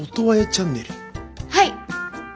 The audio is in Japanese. はい！